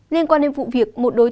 liên quan đến vụ việc